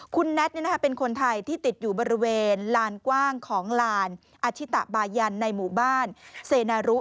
คุณแน็ตเป็นคนไทยที่ติดอยู่บริเวณลานกว้างของลานอธิตะบายันในหมู่บ้านเซนารุ